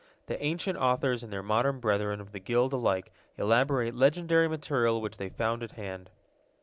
The ancient authors and their modern brethren of the guild alike elaborate legendary material which they found at hand.